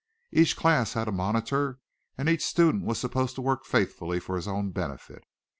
Each class had a monitor and each student was supposed to work faithfully for his own benefit.